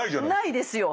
ないですよ！